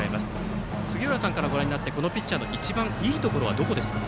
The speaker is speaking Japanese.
杉浦さんからご覧になってこのピッチャーの一番いいところはどこですか？